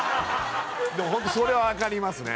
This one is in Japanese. でもホントそれは分かりますね